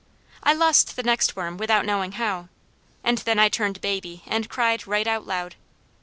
I lost the next worm without knowing how, and then I turned baby and cried right out loud.